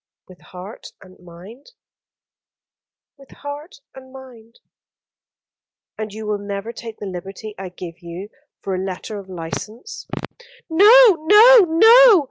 "With heart and mind?" "With heart and mind." "And you will never take the liberty I give you for a letter of license?" "No, no, no.